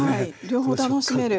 両方楽しめる。